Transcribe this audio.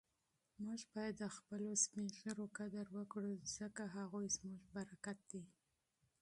موږ باید د خپلو سپین ږیرو قدر وکړو ځکه هغوی زموږ برکت دی.